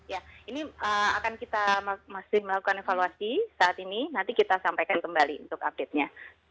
ya ini akan kita masih melakukan evaluasi saat ini nanti kita sampaikan kembali untuk update nya